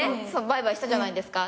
バイバイしたじゃないですか。